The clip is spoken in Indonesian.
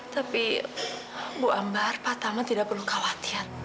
tapi bu ambar pak tama tidak perlu khawatir